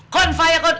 kon faya kon